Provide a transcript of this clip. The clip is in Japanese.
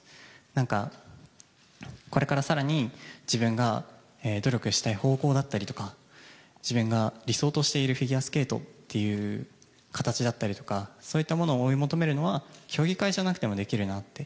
何か、これから更に自分が努力したい方向だったりとか自分が理想としているフィギュアスケートという形だったりとかそういうものを追い求めるのは競技会じゃなくてもできるなって。